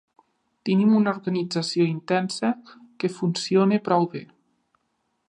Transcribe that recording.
Tenim una organització intensa que funciona prou bé.